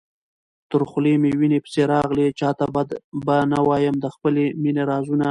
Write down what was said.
تر خولې مي وېني پسي راغلې، چاته به نه وايم د خپل مېني رازونه